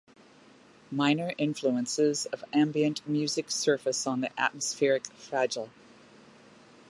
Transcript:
Minor influences of ambient music surface on the "atmospheric" "Fragile".